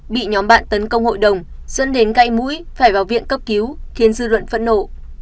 bị nhóm bạn tấn công hội đồng dẫn đến gãy mũi phải vào viện cấp cứu khiến dư luận phẫn nộ